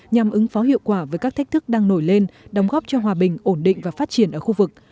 nhằm ứng phó hiệu quả với các thách thức đang nổi lên đóng góp cho hòa bình ổn định và phát triển ở khu vực